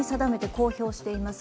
公表しています。